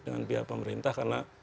dengan pihak pemerintah karena